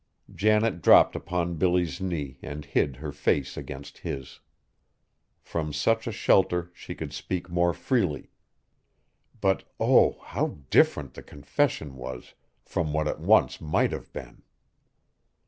Janet dropped upon Billy's knee and hid her face against his. From such a shelter she could speak more freely; but oh! how different the confession was from what it once might have been!